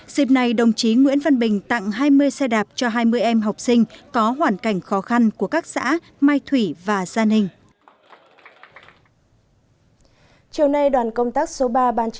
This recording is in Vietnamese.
dịp này đồng chí nguyễn văn bình tặng hai mươi xe đạp cho hai mươi em học sinh có hoàn cảnh khó khăn của các xã mai thủy và gia ninh